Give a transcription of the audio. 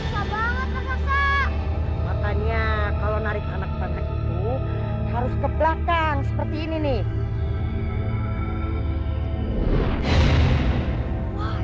makanya kalau narik anak anak itu harus ke belakang seperti ini nih